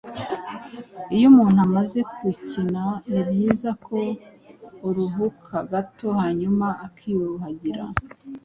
Iyo umuntu amaze gukina ni byiza ko aruhuka gato hanyuma akiyuhagira.